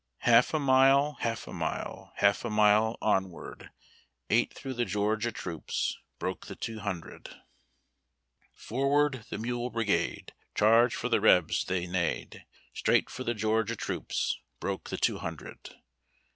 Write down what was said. Half a mile, half a mile, Half a mile onward, Right through the Georgia troops Broke the two humlred. 296 HABD TACK AND COFFEE. ' Forward the Mule Brigade ! Charge for the Rebs!" they neighed. Straight for the Georgia troops Broke the two hundred.